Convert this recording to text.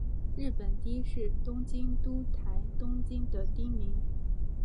日本堤是东京都台东区的町名。